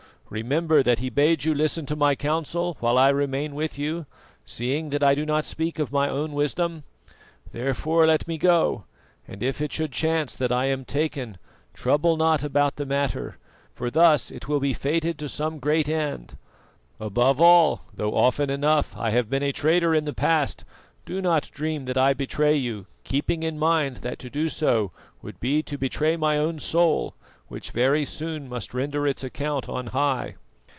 Remember that he bade you listen to my counsel while I remain with you, seeing that I do not speak of my own wisdom. Therefore let me go, and if it should chance that I am taken, trouble not about the matter, for thus it will be fated to some great end. Above all, though often enough I have been a traitor in the past, do not dream that I betray you, keeping in mind that so to do would be to betray my own soul, which very soon must render its account on high."